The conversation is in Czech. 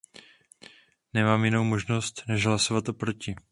Nemám jinou možnost než hlasovat proti.